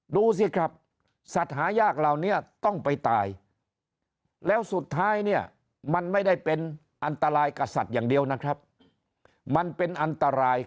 ดูสิครับสัตว์หายากเหล่านี้ต้องไปตายแล้วสุดท้ายเนี่ยมันไม่ได้เป็นอันตรายกับสัตว์อย่างเดียวนะครับมันเป็นอันตราย